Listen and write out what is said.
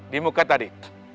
di muka tadi